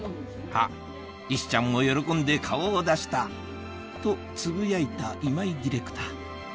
「あっイシちゃんも喜んで顔を出した」とつぶやいた今井ディレクター